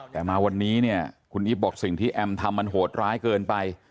แต่มาวันนี้เนี่ยคุณอีฟบอกสิ่งที่แอมทำมันโหดร้ายเกินไป